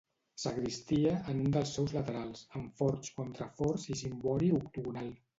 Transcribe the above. Sagristia, en un dels seus laterals, amb forts contraforts i cimbori octogonal.